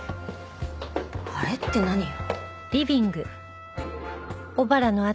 あれって何よ。